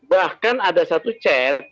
bahkan ada satu chat